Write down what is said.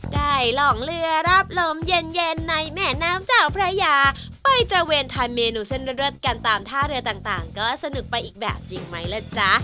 กล่องเรือรับลมเย็นเย็นในแม่น้ำเจ้าพระยาไปตระเวนทานเมนูเส้นเลือดกันตามท่าเรือต่างก็สนุกไปอีกแบบจริงไหมล่ะจ๊ะ